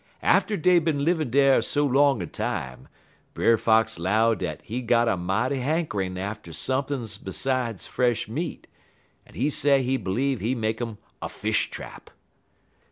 Atter dey bin livin' dar so long a time, Brer Fox 'low dat he got a mighty hankerin' atter sump'n' 'sides fresh meat, en he say he b'leeve he make 'im a fish trap.